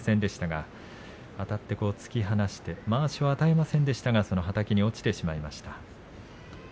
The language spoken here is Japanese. あたって突き放してまわしは与えませんでしたがはたきに落ちてしまいました。